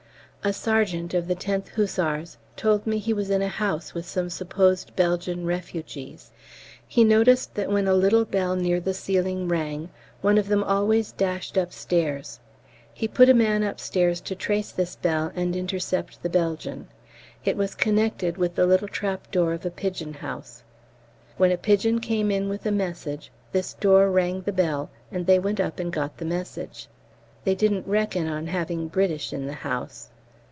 A sergeant of the 10th Hussars told me he was in a house with some supposed Belgian refugees. He noticed that when a little bell near the ceiling rang one of them always dashed upstairs. He put a man upstairs to trace this bell and intercept the Belgian. It was connected with the little trap door of a pigeon house. When a pigeon came in with a message, this door rang the bell and they went up and got the message. They didn't reckon on having British in the house.